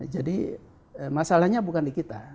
jadi masalahnya bukan di kita